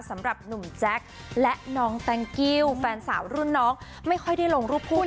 สำหรับหนุ่มแจ๊คและน้องแตงกิ้วแฟนสาวรุ่นน้องไม่ค่อยได้ลงรูปคู่